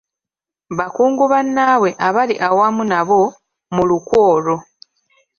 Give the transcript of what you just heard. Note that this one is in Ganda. Bakungu bannaabwe abaali awamu nabo mu lukwe olwo.